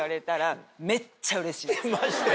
マジで？